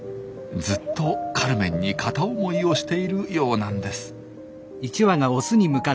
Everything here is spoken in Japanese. ずっとカルメンに片思いをしているようなんです。